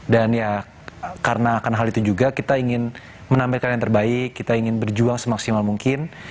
dan ya karena hal itu juga kita ingin menampilkan yang terbaik kita ingin berjuang semaksimal mungkin